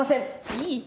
いい？